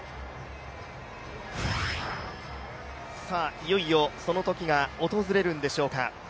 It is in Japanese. いよいよその時が訪れるんでしょうか。